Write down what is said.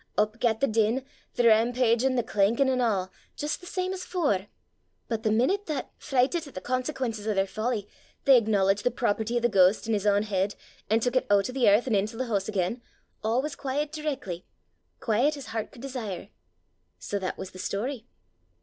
Up gat the din, the rampaugin', the clankin', an' a', jist the same as afore! But the meenute that, frichtit at the consequences o' their folly, they acknowledged the property o' the ghaist in his ain heid, an' tuik it oot o' the earth an' intil the hoose again, a' was quaiet direckly quaiet as hert could desire.' "Sae that was the story!